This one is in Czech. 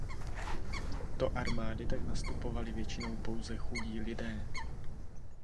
Do armády tak nastupovali většinou pouze chudí lidé.